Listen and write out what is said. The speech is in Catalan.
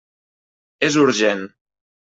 És urgent.